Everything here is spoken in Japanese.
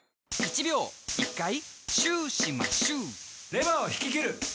「１秒１回シューしまシュー」レバーを引き切る！